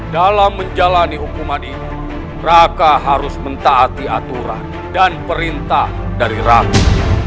dalam menjalani hukuman ini raka harus mentaati aturan dan perintah dari raka